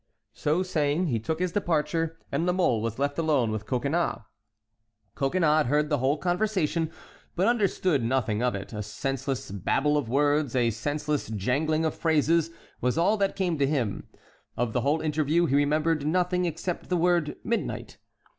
So saying he took his departure, and La Mole was left alone with Coconnas. Coconnas had heard the whole conversation, but understood nothing of it; a senseless babble of words, a senseless jangling of phrases, was all that came to him. Of the whole interview he remembered nothing except the word "midnight."